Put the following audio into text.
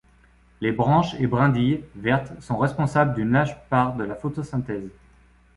Les branches et brindilles, vertes, sont responsables d'une large part de la photosynthèse.